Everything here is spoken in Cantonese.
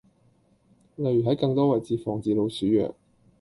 例如喺更多位置放置老鼠藥